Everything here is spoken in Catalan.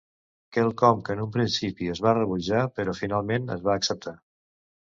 Quelcom que en un principi es va rebutjar, però finalment es va acceptar.